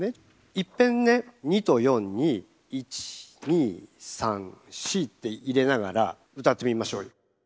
いっぺんね２と４にイチニサンシって入れながら歌ってみましょうよ。